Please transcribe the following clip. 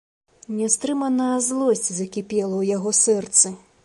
Нястрыманая злосць закіпела ў яго сэрцы.